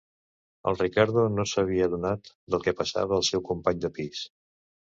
El Riccardo no s'havia adonat del que passava al seu company de pis.